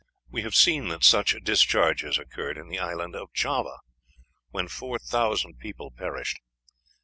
We have seen that such discharges occurred in the island of Java, when four thousand people perished.